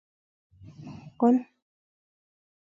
غول د کولمو اندازه ښيي.